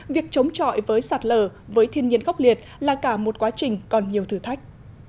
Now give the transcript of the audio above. việc chống chọi với sạt lở với thiên nhiên khốc liệt là cả một quá trình còn nhiều thử thách